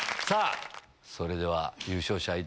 さぁそれでは優勝者